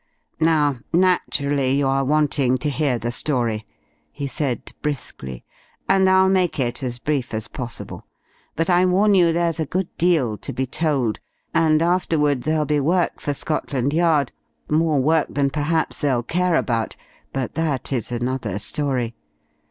"Now, naturally, you are wanting to hear the story," he said briskly, "and I'll make it as brief as possible. But I warn you there's a good deal to be told, and afterward there'll be work for Scotland Yard, more work than perhaps they'll care about; but that is another story.